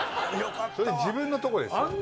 それ自分のとこですよ。